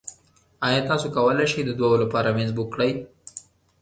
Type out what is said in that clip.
ایا تاسو کولی شئ د دوو لپاره میز بک کړئ؟